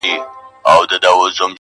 سل ځله مي خبر کړل چي راغلی دی توپان!.